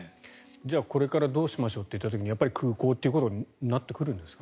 じゃあこれからどうしましょうといった時に空港ということになるんですかね。